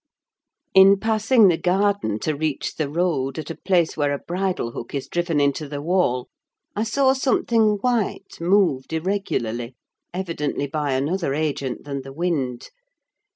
In passing the garden to reach the road, at a place where a bridle hook is driven into the wall, I saw something white moved irregularly, evidently by another agent than the wind.